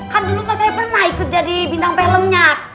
kan dulu saya pernah ikut jadi bintang filmnya